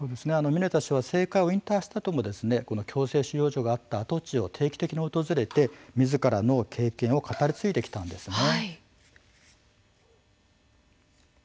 ミネタ氏は政界を引退したあとも強制収容所があった跡地を定期的に訪れてみずからの経験を語り継いできたんですね。